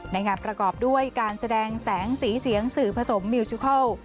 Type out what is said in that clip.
ในงานประกอบด้วยการแสดงแสงสีเสียงสื่อผสมมิวชิคอล